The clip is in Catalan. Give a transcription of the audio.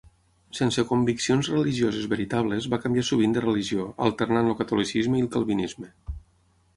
Sense conviccions religioses veritables va canviar sovint de religió, alternant el catolicisme i el calvinisme.